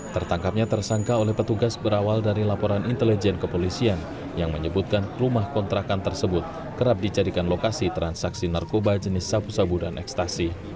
tertangkapnya tersangka oleh petugas berawal dari laporan intelijen kepolisian yang menyebutkan rumah kontrakan tersebut kerap dijadikan lokasi transaksi narkoba jenis sabu sabu dan ekstasi